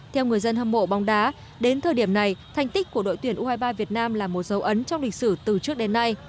theo người dân hâm mộ bóng đá đến thời điểm này thành tích của đội tuyển u hai mươi ba việt nam là một dấu ấn trong lịch sử từ trước đến nay